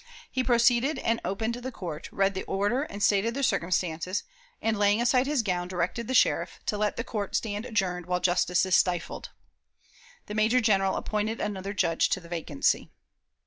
He proceeded and opened the court, read the order and stated the circumstances, and, laying aside his gown, directed the sheriff "to let the court stand adjourned while justice is stifled." The major general appointed another Judge to the vacancy.